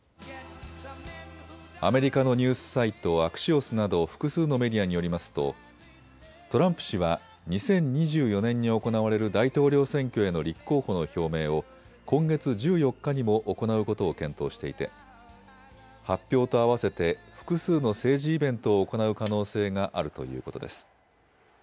アメリカのニュースサイト、アクシオスなど複数のメディアによりますとトランプ氏は２０２４年に行われる大統領選挙への立候補の表明を今月１４日にも行うことを検討していて発表とあわせて複数の政治イベントを行う可能性があるということです。